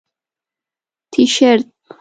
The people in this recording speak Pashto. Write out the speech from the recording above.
👕 تیشرت